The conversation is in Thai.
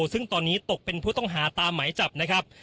ซึ่งตอนนี้ตกเป็นผู้ต้องหาตามหมายจับนะครับ